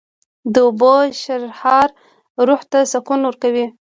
د اوبو شرهار روح ته سکون ورکوي